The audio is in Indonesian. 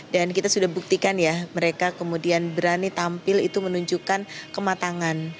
dan kita sudah buktikan ya mereka kemudian berani tampil itu menunjukkan kematangan